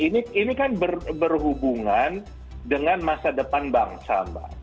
nah ini kan berhubungan dengan masa depan bangsa